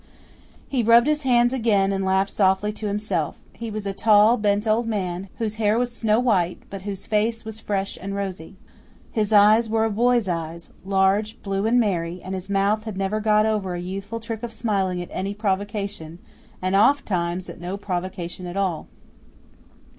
'" He rubbed his hands again and laughed softly to himself. He was a tall, bent old man, whose hair was snow white, but whose face was fresh and rosy. His eyes were a boy's eyes, large, blue and merry, and his mouth had never got over a youthful trick of smiling at any provocation and, oft times, at no provocation at all.